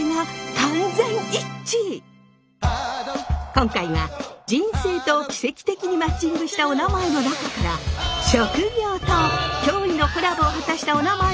今回は人生と奇跡的にマッチングしたおなまえの中から職業と驚異のコラボを果たしたおなまえを厳選！